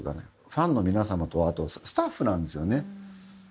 ファンの皆様とあと、スタッフなんですよね。